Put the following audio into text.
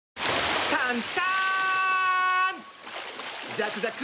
ザクザク！